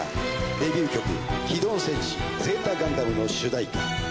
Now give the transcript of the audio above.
デビュー曲『機動戦士Ｚガンダム』の主題歌